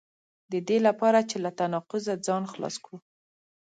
د دې لپاره چې له تناقضه ځان خلاص کړو.